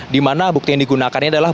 dimana bukti yang digunakannya adalah